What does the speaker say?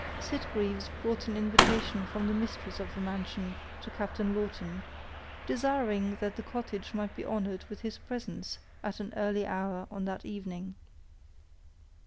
Sitgreaves brought an invitation from the mistress of the mansion to Captain Lawton, desiring that the cottage might be honored with his presence at an early hour on that evening.